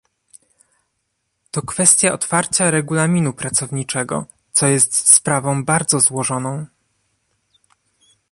To kwestia otwarcia regulaminu pracowniczego, co jest sprawą bardzo złożoną